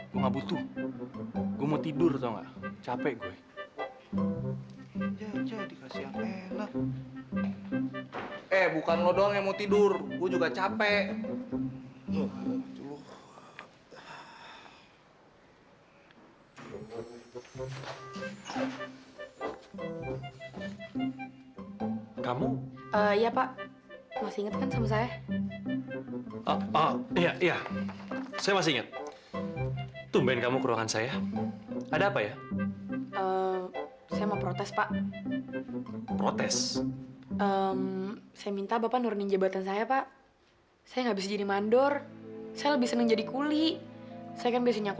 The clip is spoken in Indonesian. sampai jumpa di video selanjutnya